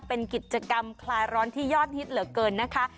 เป็นกิจกรรมคลายร้อนที่ยอดนะคะ